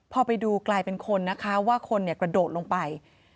พอไปดูกลายเป็นคนนะคะว่าคนกระโดดลงไป